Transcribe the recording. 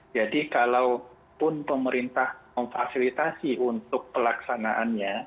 kalaupun pemerintah memfasilitasi untuk pelaksanaannya